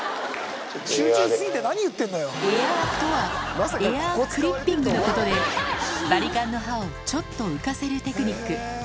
エアーとは、エアークリッピングのことで、バリカンの刃をちょっと浮かせるテクニック。